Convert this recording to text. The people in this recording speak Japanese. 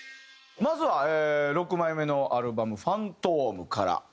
まずは６枚目のアルバム『Ｆａｎｔｍｅ』から。